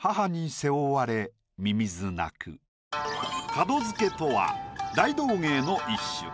「門付け」とは大道芸の一種。